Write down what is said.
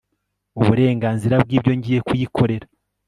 uburenganzira bwibyo ngiye kuyikorera